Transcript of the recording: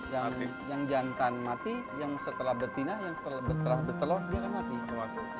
yang jantan mati yang setelah betina yang setelah bertelur dia mati